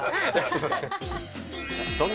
すみません。